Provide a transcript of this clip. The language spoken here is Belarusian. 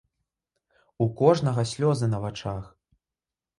У кожнага слёзы на вачах.